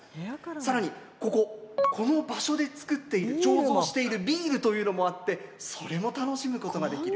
さらにここの場所で造っている、醸造しているビールというのもあってそれも楽しむことができる。